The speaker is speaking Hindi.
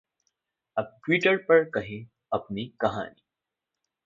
अब ट्विटर पर कहें अपनी कहानी